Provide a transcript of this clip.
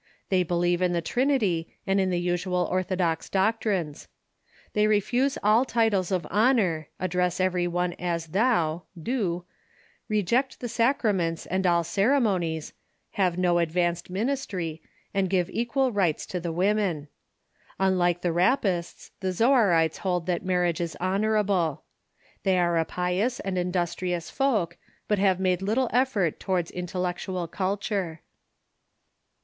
They believe in the Trinity, and in the usual orthodox doc trines. They refuse all titles of honor, address every one as thou (die), reject the sacraments and all ceremonies, have no ad vanced ministry, and give equal rights to the women. Unlike the Rappists, the Zoarites hold that marriage is honorable. The}^ are a pious and industrious folk, but have made little effort towards intellectual culture.